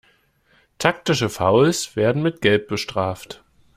Taktische Fouls werden mit Gelb bestraft.